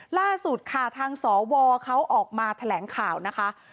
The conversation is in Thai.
ล่าสุดค่ะทางสวเขาออกมาแถลงข่าวนะคะ